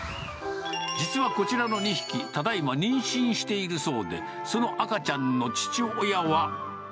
実はこちらの２匹、ただいま妊娠しているそうで、その赤ちゃんの父親は。